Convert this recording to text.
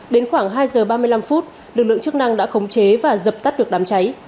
đến khoảng hai giờ ba mươi năm phút lực lượng chức năng đã khống chế và dập tắt được đám cháy